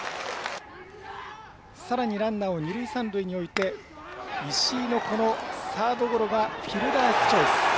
さらにランナーを二塁、三塁に置いて石井のサードゴロがフィルダースチョイス。